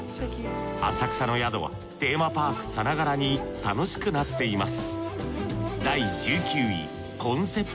浅草の宿はテーマパークさながらに楽しくなっています